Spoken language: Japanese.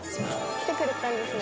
来てくれたんですね。